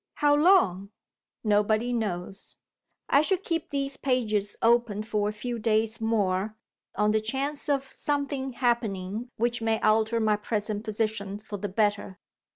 How long? Nobody knows. I shall keep these pages open for a few days more, on the chance of something happening which may alter my present position for the better.